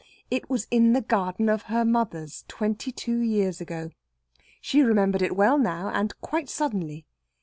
It was in the garden at her mother's twenty two years ago. She remembered it well now, and quite suddenly.